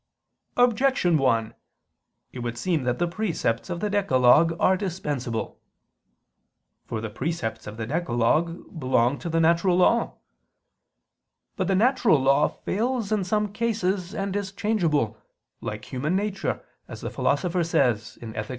Objection 1: It would seem that the precepts of the decalogue are dispensable. For the precepts of the decalogue belong to the natural law. But the natural law fails in some cases and is changeable, like human nature, as the Philosopher says (Ethic.